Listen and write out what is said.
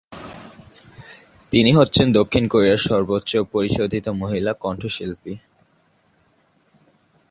তিনি হচ্ছেন দক্ষিণ কোরিয়ান সর্বোচ্চ পরিশোধিত মহিলা কণ্ঠশিল্পী।